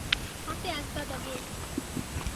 হাতে একগাদা বই।